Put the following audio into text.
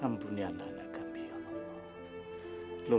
ampuni anak anak kami ya allah